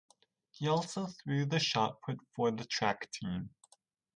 He also threw the shot put for the track team.